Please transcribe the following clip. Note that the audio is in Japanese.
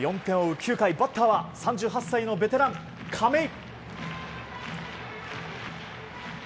９回バッターは３８歳のベテラン、亀井。